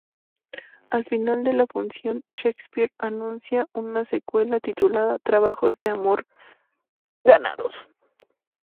Al final de la función, Shakespeare anuncia una secuela titulada "Trabajos de amor ganados".